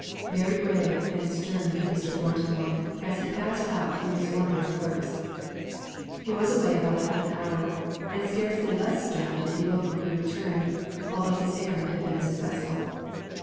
Very gray and stern did Mr. Thornton look, as he passed out through his wondering clerks. He was away about half an hour; and scarcely less stern did he look when he returned, although his errand had been successful.